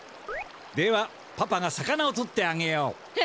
ではパパが魚をとってあげよう。え！